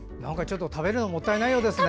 食べるのがもったいないですね。